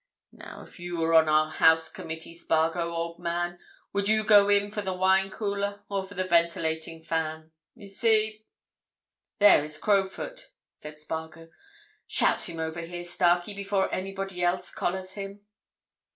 Now, if you were on our house committee, Spargo, old man, would you go in for the wine cooler or the ventilating fan? You see—" "There is Crowfoot," said Spargo. "Shout him over here, Starkey, before anybody else collars him."